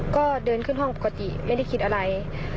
ก็เดินขึ้นห้องปกติไม่ได้คิดอะไร